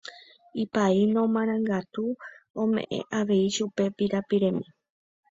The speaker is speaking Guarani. Ipaíno marangatu omeʼẽ avei chupe pirapiremi.